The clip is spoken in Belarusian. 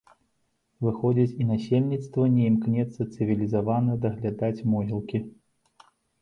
Выходзіць, і насельніцтва не імкнецца цывілізавана даглядаць могілкі.